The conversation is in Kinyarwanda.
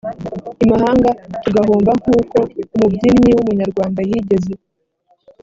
imahanga tugahomba nk uko umubyinnyi w umunyarwanda yigeze